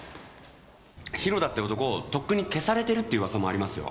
広田って男とっくに消されてるって噂もありますよ。